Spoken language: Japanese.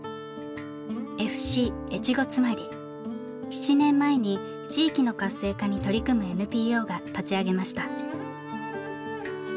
７年前に地域の活性化に取り組むＮＰＯが立ち上げました。